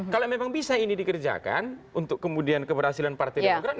kalau memang bisa ini dikerjakan untuk kemudian keberhasilan partai demokrat